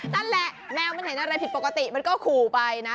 นั่นแหละแมวมันเห็นอะไรผิดปกติมันก็ขู่ไปนะ